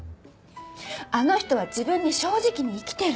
あの人は自分に正直に生きてる。